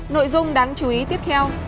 nội dung đáng chú ý tiếp theo